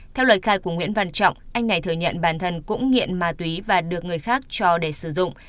theo lời khai của nguyễn văn trọng anh này thừa nhận bản thân cũng nghiện ma túy và được người khác cho để sử dụng